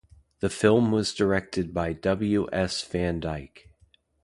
The film was directed by W. S. Van Dyke.